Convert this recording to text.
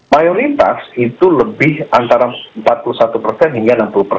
mayoritas itu lebih antara empat puluh satu persen hingga enam puluh persen